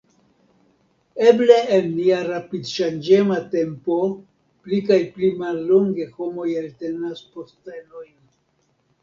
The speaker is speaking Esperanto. Eble en nia rapidŝanĝema tempo pli kaj pli mallonge homoj eltenas postenojn.